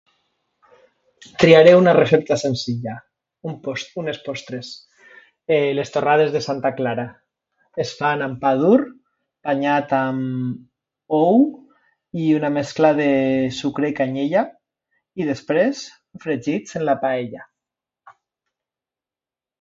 Triaré una recepta senzilla, unes postres: les torrades de Santa Clara. És fan amb pa dur banyat amb ou i una mescla de sucre i canyella i després fregits a la paella.